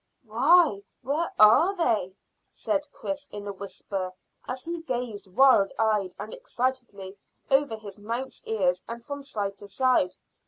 "Why, where are they?" said Chris, in a whisper, as he gazed wild eyed and excitedly over his mount's ears and from side to side.